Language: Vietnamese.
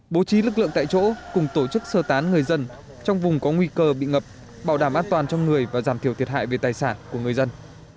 bố trí lực lượng tại chỗ cùng tổ chức sơ tán người dân trong vùng có nguy cơ bị ngập bảo đảm an toàn trong người và giảm thiểu thiệt hại về tài sản của người dân